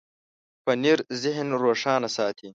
پنېر ذهن روښانه ساتي.